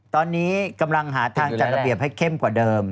ตอนนี้กำลังหาทางจัดระเบียบให้เข้มกว่าเดิม